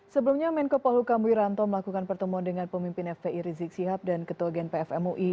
sebelumnya menko polhukam wiranto melakukan pertemuan dengan pemimpin fpi rizik sihab dan ketua gnpf mui